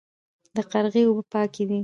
د قرغې اوبه پاکې دي